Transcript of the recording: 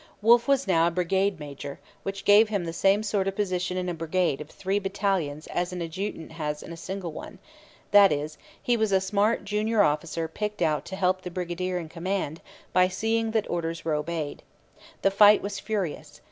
Wolfe was now a brigade major, which gave him the same sort of position in a brigade of three battalions as an adjutant has in a single one; that is, he was a smart junior officer picked out to help the brigadier in command by seeing that orders were obeyed. The fight was furious.